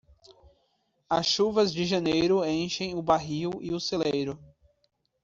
As chuvas de janeiro enchem o barril e o celeiro.